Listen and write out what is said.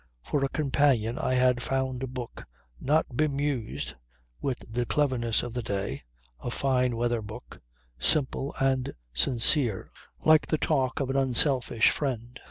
For a companion I had found a book, not bemused with the cleverness of the day a fine weather book, simple and sincere like the talk of an unselfish friend.